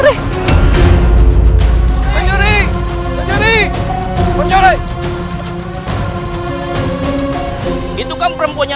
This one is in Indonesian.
kita harus berusaha untuk menyelesaikan